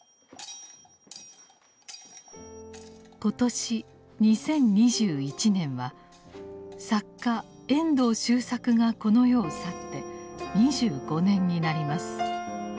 今年２０２１年は作家・遠藤周作がこの世を去って２５年になります。